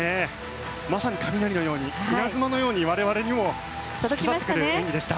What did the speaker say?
まさに雷のように稲妻のように我々にも突き刺さる演技でした。